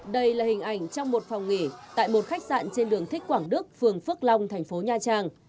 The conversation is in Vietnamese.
đây là hình ảnh trong một phòng nghỉ tại một khách sạn trên đường thích quảng đức phường phước long thành phố nha trang